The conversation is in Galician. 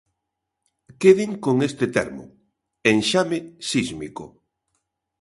Queden con este termo: enxame sísmico.